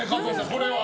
これは。